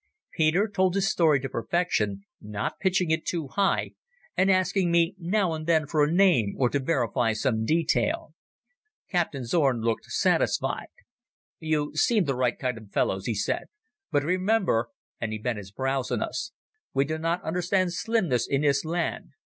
Peter told his story to perfection, not pitching it too high, and asking me now and then for a name or to verify some detail. Captain Zorn looked satisfied. "You seem the right kind of fellows," he said. "But remember"—and he bent his brows on us—"we do not understand slimness in this land.